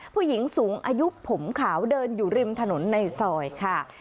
ผู้หญิงสูงอายุผมขาวเดินอยู่ริมถนนในซอยค่ะ